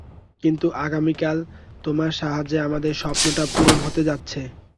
কিন্তু আগামীকাল, তোমার সাহায্যে আমাদের স্বপ্নটা পূরণ হতে যাচ্ছে।